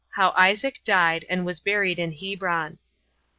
How Isaac Died, And Was Buried In Hebron.